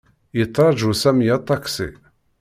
Yettṛaju Sami aṭaksi.